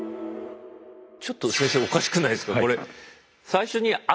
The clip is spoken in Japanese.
ちょっと先生おかしくないですかこれ。